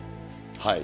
はい。